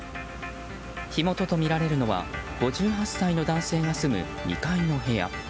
火元とみられるのは５８歳の男性が住む２階の部屋。